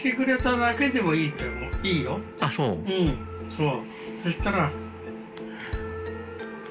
そう。